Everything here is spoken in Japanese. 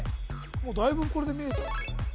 もうだいぶこれで見えちゃうね